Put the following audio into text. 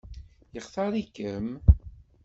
Yextaṛ-ikem?